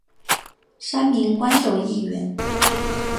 三名官守议员。